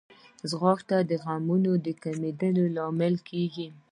ځغاسته د غمونو د کمېدو لامل کېږي